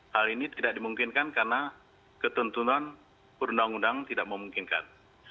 hal ini tidak dimungkinkan karena ketentuan perundang undang tidak memungkinkan